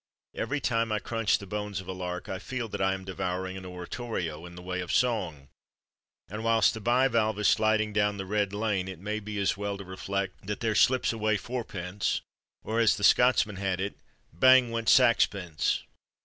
Every time I crunch the bones of a lark I feel that I am devouring an oratorio, in the way of song; and whilst the bivalve is sliding down the "red lane" it may be as well to reflect that "there slips away fourpence"; or, as the Scotsman had it, "bang went saxpence!"